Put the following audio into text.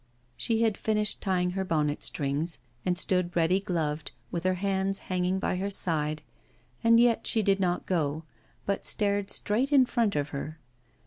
She had finished tying her bonnet strings, and stood ready gloved, with her hands hanging by her side, and yet she did not go, but stared straight in front of her.